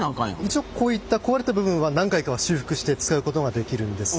一応こういった壊れた部分は何回かは修復して使うことができるんです。